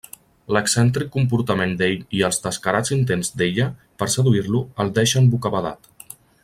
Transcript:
L'excèntric comportament d'ell i els descarats intents d'ella per seduir-lo el deixen bocabadat.